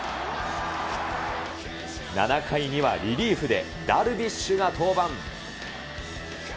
７回にはリリーフで、ダルビッシュが登板。